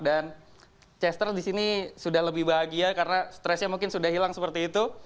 dan chester di sini sudah lebih bahagia karena stresnya mungkin sudah hilang seperti itu